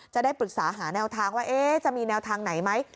จะได้ปรึกษาหาแนวทางว่าจะมีแนวทางไหนไหม